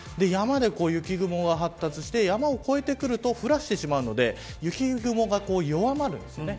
山で雪雲が発達して山を越えてくると降らしてしまうので雪雲が弱まるんです。